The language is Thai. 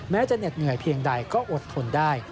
แม้จะเหน็ดเหนื่อยเพียงใดก็อดทนได้